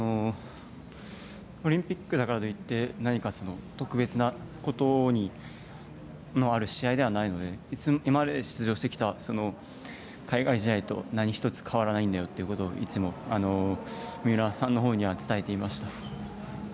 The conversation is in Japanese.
オリンピックだからといって何か、特別なことがある試合ではないので今まで出場してきた海外試合と何一つ変わらないんだよっていうことをいつも、三浦さんのほうには伝えていました。